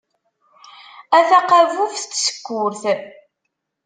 A taqabubt n tsekkurt.